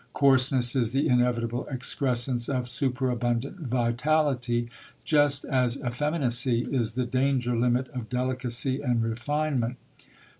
Coarseness is the inevitable excrescence of superabundant vitality, just as effeminacy is the danger limit of delicacy and refinement.